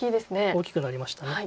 大きくなりました。